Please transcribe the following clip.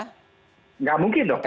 tidak mungkin dong